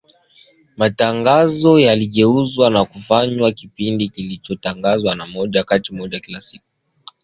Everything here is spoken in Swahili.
matangazo yaligeuzwa na kufanywa kipindi kilichotangazwa moja kwa moja kila siku kutoka Washington